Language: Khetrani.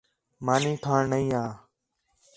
مانی کھاݨ نہیں آ